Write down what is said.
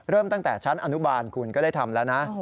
ตั้งแต่ชั้นอนุบาลคุณก็ได้ทำแล้วนะ